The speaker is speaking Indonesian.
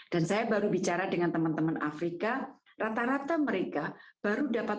dan saya baru bicara dengan teman teman afrika rata rata mereka baru dapat